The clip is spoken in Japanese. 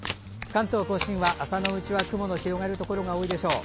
関東・甲信は、朝のうちは雲の広がるところが多いでしょう。